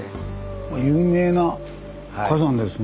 有名な火山ですね。